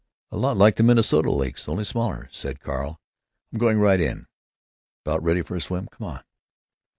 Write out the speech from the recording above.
"A lot like the Minnesota lakes, only smaller," said Carl. "I'm going right in. About ready for a swim? Come on."